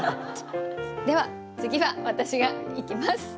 では次は私がいきます。